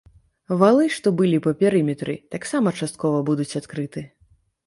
Валы, што былі па перыметры, таксама часткова будуць адкрыты.